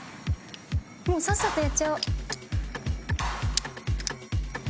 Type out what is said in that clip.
もうさっさとやっちゃおう。